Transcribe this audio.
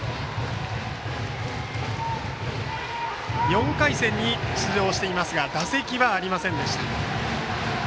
４回戦に出場していますが打席はありませんでした。